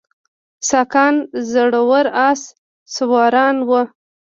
ساکان زړور آس سواران وو